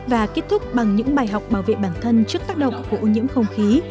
và kết thúc bằng những bài học bảo vệ bản thân trước tác động của ô nhiễm không khí